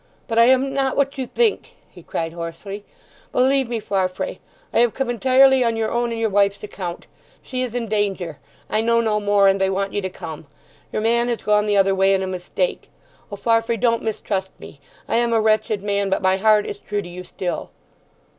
"But I am not what you think!" he cried hoarsely. "Believe me, Farfrae; I have come entirely on your own and your wife's account. She is in danger. I know no more; and they want you to come. Your man has gone the other way in a mistake. O Farfrae! don't mistrust me—I am a wretched man; but my heart is true to you still!"